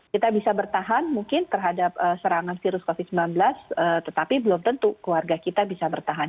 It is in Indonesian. kita bisa bertahan mungkin terhadap serangan virus covid sembilan belas tetapi belum tentu keluarga kita bisa bertahan